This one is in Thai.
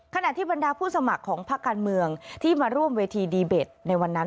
ขณะที่บรรดาผู้สมัครของพักการเมืองที่มาร่วมเวทีดีเบตในวันนั้น